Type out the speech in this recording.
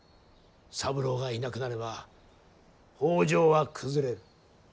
三郎がいなくなれば北条は崩れる。